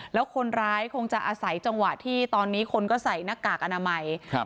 แล้วคนร้ายคงจะอาศัยจังหวะที่ตอนนี้คนก็ใส่หน้ากากอนามัยครับ